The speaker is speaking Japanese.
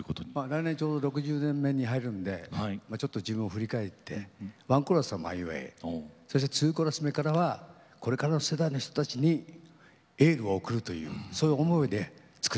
来年ちょうど６０年目に入るんでちょっと自分を振り返ってワンコーラスはマイウェイそしてツーコーラス目からはこれからの世代の人たちにエールを送るというそういう思いで作り上げた作品です。